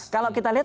kalau kita lihat